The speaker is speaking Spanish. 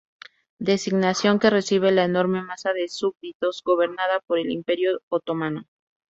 Designación que recibe la enorme masa de súbditos gobernada por el Imperio otomano.